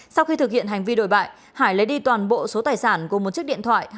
sau khi thực hiện hành vi đổi bại hải lấy đi toàn bộ số tài sản gồm một chiếc điện thoại